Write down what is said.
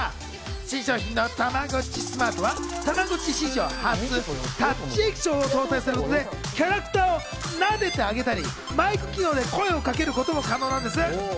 新商品のたまごっちスマートは、たまごっち史上初のタッチ液晶を搭載することで、キャラクターをなでてあげたりマイク機能で声をかけることも可能なんです。